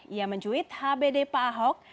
ia mencuit hbd pak ahok